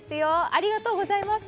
ありがとうございます。